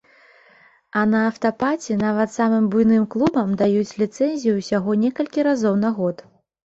А на афтапаці нават самым буйным клубам даюць ліцэнзію ўсяго некалькі разоў на год.